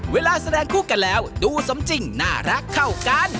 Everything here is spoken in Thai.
เวลาแสดงคู่กันแล้วดูสมจริงน่ารักเข้ากัน